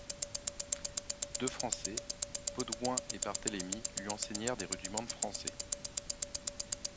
Deux Français, Podewin et Barthélemy, lui enseignèrent des rudiments de français.